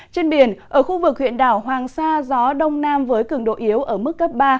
trên biển ở khu vực huyện đảo hoàng sa gió đông nam với cường độ yếu ở mức cấp ba